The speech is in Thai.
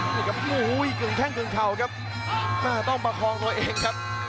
นี่ครับโอ้โหกึ่งแข้งกึ่งเข่าครับต้องประคองตัวเองครับ